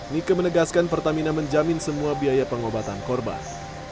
nike menegaskan pertamina menjamin semua biaya pengobatan korban